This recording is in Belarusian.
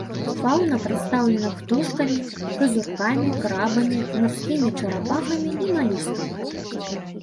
Фаўна прадстаўлена птушкамі, казуркамі, крабамі, марскімі чарапахамі і малюскамі.